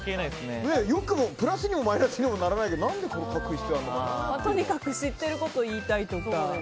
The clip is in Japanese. プラスにもマイナスにもならないけどとにかく知ってることを言いたいとか。